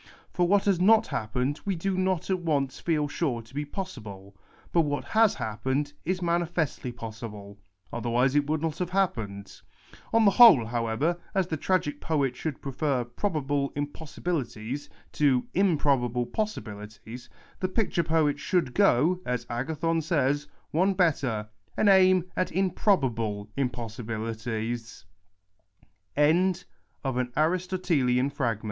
For what has not happened we do not at once feel sure to be possible ; but what has happened is manifestly possible ; otherwise it would not have happened. On the wjiole, however, as the tragic poet should prefer jirobable im})Ossibilities to improbable possibilities, the picture poet should go, as Agathon says, one better, and aim at improbable impossib